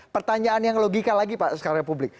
pertanyaan yang logika lagi pak sekarang republik